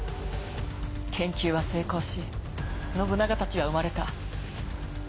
研究は成功し信長たちは生まれた。